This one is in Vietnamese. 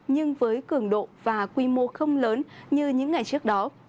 nhưng với cường độ và quy mô không lớn như những ngày trước đó